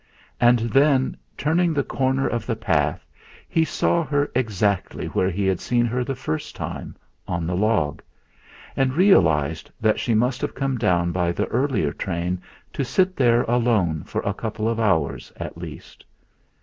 And then, turning the corner of the path, he saw her exactly where he had seen her the first time, on the log; and realised that she must have come by the earlier train to sit there alone for a couple of hours at least.